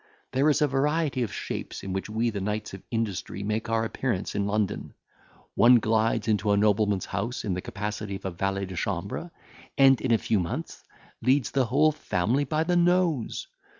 There is a variety of shapes in which we the knights of industry make our appearance in London. One glides into a nobleman's house in the capacity of a valet de chambre, and in a few months leads the whole family by the nose.